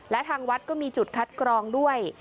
และทางวัดก็มีจุดคัดกรองด้วย